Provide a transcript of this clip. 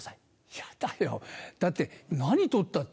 嫌だよだって何取ったって。